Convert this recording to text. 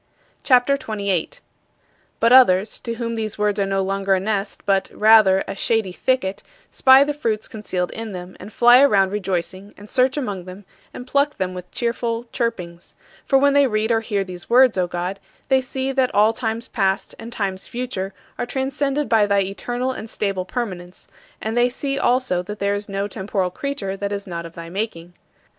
CHAPTER XXVIII 38. But others, to whom these words are no longer a nest but, rather, a shady thicket, spy the fruits concealed in them and fly around rejoicing and search among them and pluck them with cheerful chirpings: For when they read or hear these words, O God, they see that all times past and times future are transcended by thy eternal and stable permanence, and they see also that there is no temporal creature that is not of thy making.